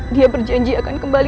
dia berjanji akan kembali